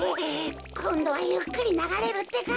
こんどはゆっくりながれるってか。